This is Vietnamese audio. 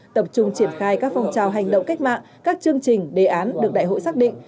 tập trung triển khai các phong trào hành động cách mạng các chương trình đề án được đại hội xác định